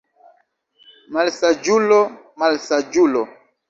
Malsaĝulo, malsaĝulo!